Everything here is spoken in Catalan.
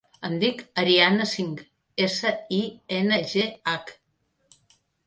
Em dic Ariana Singh: essa, i, ena, ge, hac.